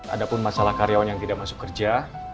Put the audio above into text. ada pun masalah karyawan yang tidak masuk kerja